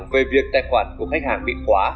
về việc tài khoản của khách hàng bị khóa